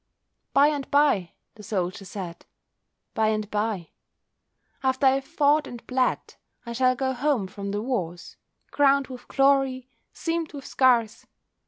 "By and bye," the soldier said—"by and bye, After I have fought and bled, I shall go home from the wars, Crowned with glory, seamed with scars.